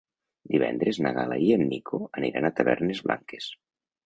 Divendres na Gal·la i en Nico aniran a Tavernes Blanques.